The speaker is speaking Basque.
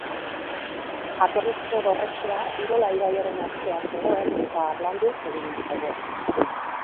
Jatorrizko dorretxea Urola ibaiaren ertzean zegoen eta harlanduz egina zegoen.